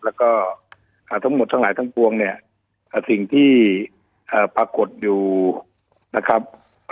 แล้วก็ทั้งหมดทั้งหลายทั้งปวงเนี่ยสิ่งที่ปรากฏอยู่นะครับ